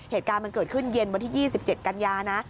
เหตุการณ์มันเกิดขึ้นเย็นวันที่๒๗กันยานะ